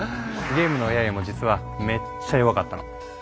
ゲームのＡＩも実はめっちゃ弱かったの。